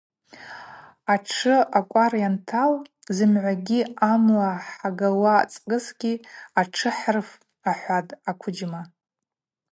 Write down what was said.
Атшы акӏвар йантал – Зымгӏвагьи амла хӏагауа ацкӏысгьи атшы хӏрыф, – ахӏватӏ аквыджьма.